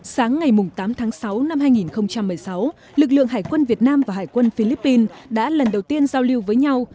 sáng ngày tám tháng sáu năm hai nghìn một mươi sáu lực lượng hải quân việt nam và hải quân philippines đã lần đầu tiên giao lưu với nhau